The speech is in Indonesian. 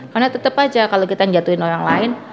karena tetep aja kalau kita jatuhin orang lain